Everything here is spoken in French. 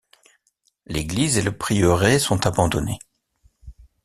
L’église et le prieuré sont abandonnés.